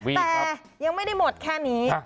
แต่ยังไม่ได้หมดแค่นี้